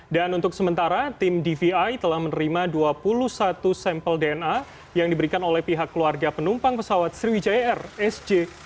dan untuk sementara tim dvi telah menerima dua puluh satu sampel dna yang diberikan oleh pihak keluarga penumpang pesawat sriwijaya air sj delapan belas